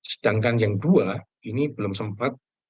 sedangkan yang dua ini belum sempat